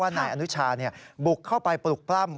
ว่านายอนุชาบุกเข้าไปปลุกพร่ำ